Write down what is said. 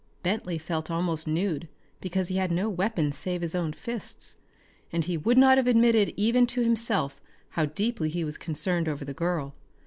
Bentley felt almost nude because he had no weapons save his own fists. And he would not have admitted even to himself how deeply he was concerned over the girl.